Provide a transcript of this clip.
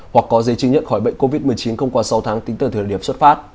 hoặc có dây chứng nhận khỏi bệnh covid một mươi chín không qua sáu tháng tính từ thời điểm xuất phát